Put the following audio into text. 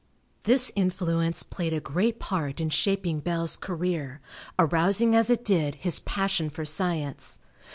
This influence played a great part in shaping Bell's career, arousing as it did his passion for science.